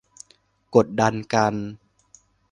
กดดันกัน